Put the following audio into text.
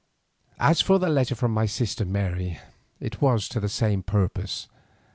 As for the letter from my sister Mary it was to the same purpose.